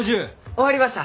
終わりました。